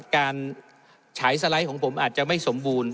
ฉายสไลด์ของผมอาจจะไม่สมบูรณ์